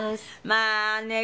まあねえ